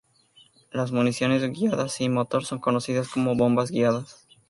Las municiones guiadas sin motor son conocidas como bombas guiadas.